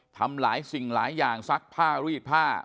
ทำหลายสิ่งหลายอย่างซักผ้ารีดผ้า